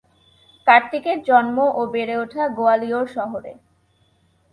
কার্তিকের জন্ম ও বেড়ে ওঠে গোয়ালিয়র শহরে।